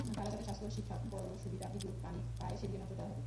তারা যাতে স্বাস্থ্য, শিক্ষা, পয়ঃসুবিধা, বিদ্যুৎ, পানি পায়, সেদিকে নজর দেওয়া হবে।